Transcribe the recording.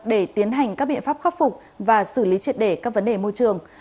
để tiến hành các biện pháp khắc phục và xử lý triệt để các vấn đề môi trường